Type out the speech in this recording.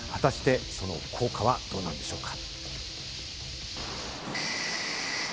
果たして、その効果はどうなんでしょうか？